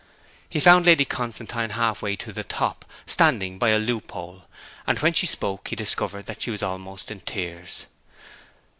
He found Lady Constantine half way to the top, standing by a loop hole; and when she spoke he discovered that she was almost in tears.